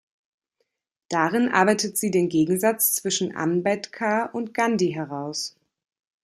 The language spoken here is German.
Darin arbeitet sie den Gegensatz zwischen Ambedkar und Gandhi heraus.